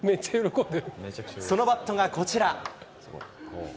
そのバットがこちら。